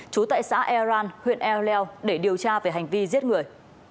trú tại xã eran huyện erleu để điều tra về hành vi giết người